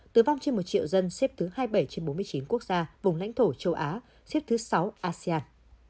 tử vong trên một triệu dân xếp thứ hai mươi bảy trên bốn mươi chín quốc gia vùng lãnh thổ châu á xếp thứ sáu asean